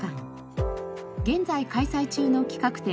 現在開催中の企画展